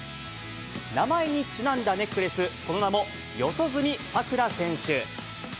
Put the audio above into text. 名前にちなんだネックレス、その名も四十住さくら選手。